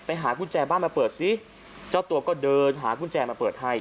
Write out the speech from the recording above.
หากุญแจบ้านมาเปิดซิเจ้าตัวก็เดินหากุญแจมาเปิดให้